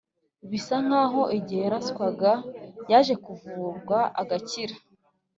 bisa nkaho igihe yaraswaga yaje kuvurwa agakira